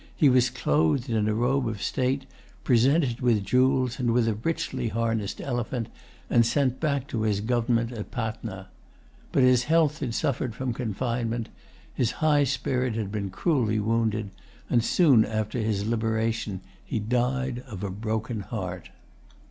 He was clothed in a robe of state, presented with jewels and with a richly harnessed elephant, and sent back to his government at[Pg 135] Patna. But his health had suffered from confinement; his high spirit had been cruelly wounded; and soon after his liberation he died of a broken heart.